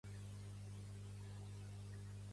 Gauguin es va mostrar orgullós del seu periòdic.